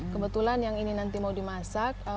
kebetulan yang ini nanti mau dimasak